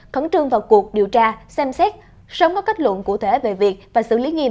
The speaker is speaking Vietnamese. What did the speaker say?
khẩn trương vào cuộc điều tra xem xét sớm có kết luận cụ thể về việc và xử lý nghiêm